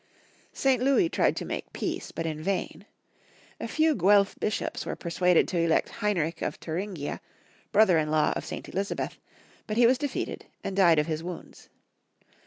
St. Louis tried to make peace, but in vain. A few Guelf bishops were persuaded to elect Heinrich of Thuringia, brother in law of St. Elizabeth, but he was defeated, and died of his wounds.